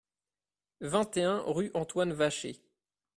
vingt et un rue Antoine Vacher